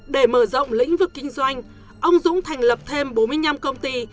để mở rộng lĩnh vực kinh doanh ông dũng thành lập thêm bốn mươi năm công ty